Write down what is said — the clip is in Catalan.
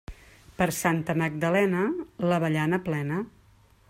Per Santa Magdalena, l'avellana plena.